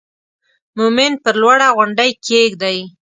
مومن پر لوړه غونډۍ کېږدئ.